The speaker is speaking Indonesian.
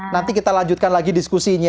nanti kita lanjutkan lagi diskusinya